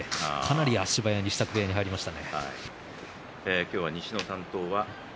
かなり足早に支度部屋に入りました。